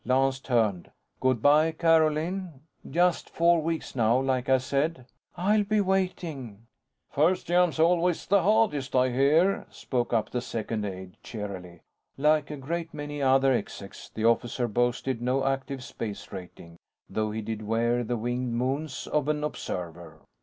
Lance turned. "Good by, Carolyn. Just four weeks now, like I said." "I'll be waiting." "First jump's always the hardest, I hear," spoke up the second aide, cheerily. Like a great many other execs, the officer boasted no active space rating, though he did wear the winged moons of an observer.